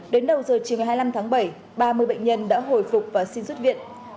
đến đầu giờ chiều ngày hai mươi năm tháng bảy ba mươi bệnh nhân đã hồi phục và xin rút viện